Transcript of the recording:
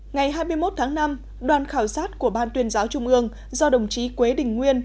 ngày hai mươi một tháng năm đoàn khảo sát của ban tuyên giáo trung ương do đồng chí quế đình nguyên